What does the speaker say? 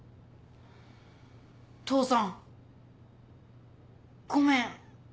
父さんごめん。